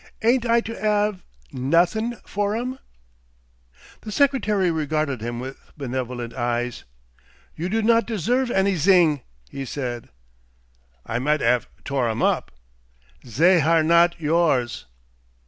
"Ain't I to 'ave nothin' for 'em?" The secretary regarded him with benevolent eyes. "You do not deserve anyzing!" he said. "I might 'ave tore 'em up." "Zey are not yours!"